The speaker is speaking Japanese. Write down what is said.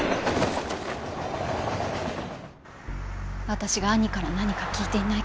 私が兄から何か聞いていないか